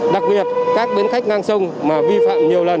đặc biệt các bến khách ngang sông mà vi phạm nhiều lần